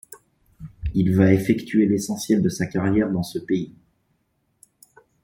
Il va effectué l'essentiel de sa carrière dans ce pays.